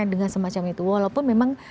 dengan semacam itu walaupun memang